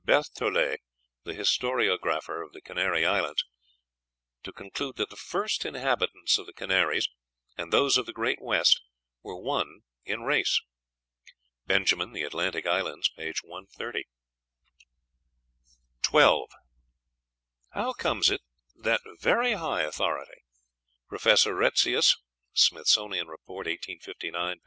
Bertholet, the historiographer of the Canary Islands, to conclude that the first inhabitants of the Canaries and those of the great West were one in race." (Benjamin, "The Atlantic Islands," p. 130.) 12. How comes it that that very high authority, Professor Retzius ("Smithsonian Report," 1859, p.